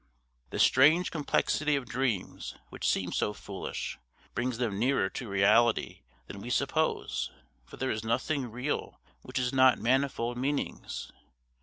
The strange complexity of dreams, which seems so foolish, brings them nearer to reality than we suppose, for there is nothing real which has not manifold meanings.